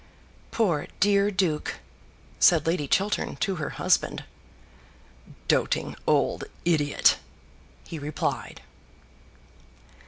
"Poor dear duke," said Lady Chiltern to her husband. "Doting old idiot!" he replied.